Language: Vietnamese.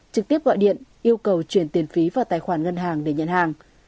trực tiếp gọi điện yêu cầu chuyển tiền phí vào tài khoản ngân hàng để nhận hàng